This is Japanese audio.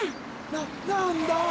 ななんだ？